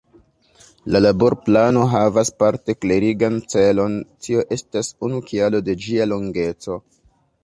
La Laborplano havas parte klerigan celon - tio estas unu kialo de ĝia longeco.